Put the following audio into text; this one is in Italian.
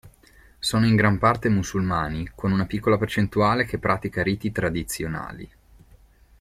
Sono in gran parte musulmani, con una piccola percentuale che pratica riti tradizionali.